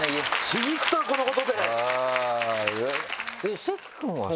響くとはこのことで。